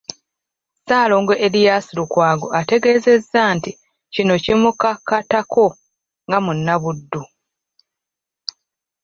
Ssaalongo Erias Lukwago ategeezezza nti kino kimukakatako nga munnabuddu